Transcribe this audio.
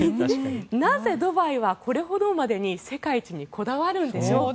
なぜドバイはこれほどまでに世界一にこだわるんでしょうか。